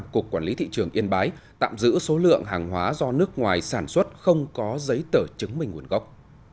cục quản lý thị trường yên bái tạm giữ số lượng hàng hóa do nước ngoài sản xuất không có giấy tờ chứng minh nguồn gốc